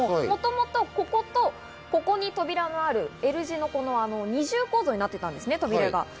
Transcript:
もともと、こことここに扉がある、Ｌ字の二重構造になっていたんですね。